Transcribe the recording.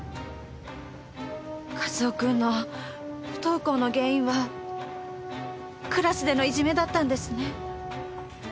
和夫君の不登校の原因はクラスでのいじめだったんですね。